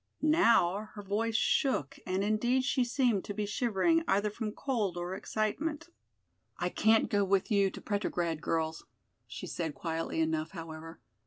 Now her voice shook and indeed she seemed to be shivering either from cold or excitement. "I can't go with you to Petrograd, girls," she said quietly enough, however.